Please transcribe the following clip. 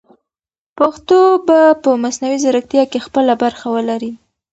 پښتو به په مصنوعي ځیرکتیا کې خپله برخه ولري.